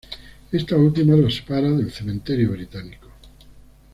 Esta última lo separa del Cementerio Británico.